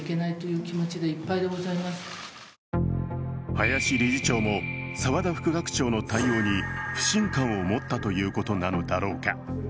林理事長も澤田副学長の対応に不信感を持ったということなのだろうか。